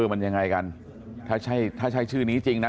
มันยังไงกันถ้าใช่ถ้าใช่ชื่อนี้จริงนะ